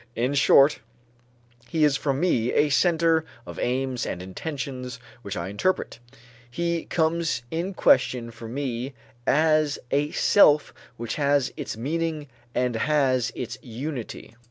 In short, he is for me a center of aims and intentions which I interpret: he comes in question for me as a self which has its meaning and has its unity.